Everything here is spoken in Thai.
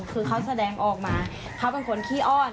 คือเขาแสดงออกมาเขาเป็นคนขี้อ้อน